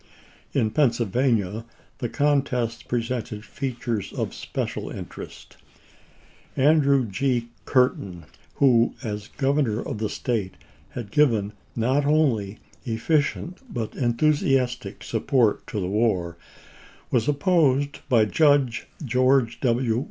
In Pennsylvania the contest presented features of special interest. Andrew GL Curtin, who, as Gov ernor of the State, had given not only efficient but enthusiastic support to the war, was opposed by Judge George W.